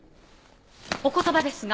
お言葉ですが。